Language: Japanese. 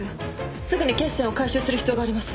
すぐに血栓を回収する必要があります